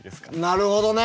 なるほどね！